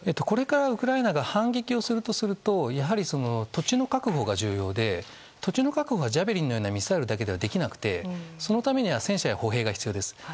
これからウクライナが反撃をするとするとやはり土地の確保が重要で土地の確保はジャベリンのようなミサイルだけではできなくてそのためには戦車や歩兵が必要です。